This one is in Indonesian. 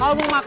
kau mau makan